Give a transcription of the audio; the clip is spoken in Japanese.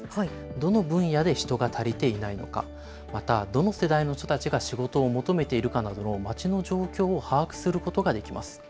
どの分野で人が足りていないのか、またどの世代の人たちが仕事を求めているかなどの町の状況を把握することができます。